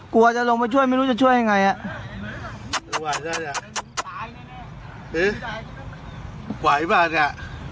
กลัวจะลงมาช่วยไม่รู้จะช่วยยังไงอ่ะไหวเปล่าเนี่ย